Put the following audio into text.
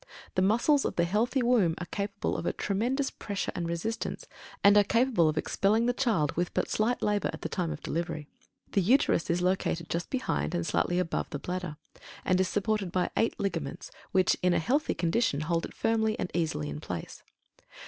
The muscles of the healthy womb are capable of a tremendous pressure and resistance, and are capable of expelling the child with but slight labor at the time of delivery. The Uterus is located just behind and slightly above the bladder, and is supported by eight ligaments which, in a healthy condition, hold it firmly and easily in place.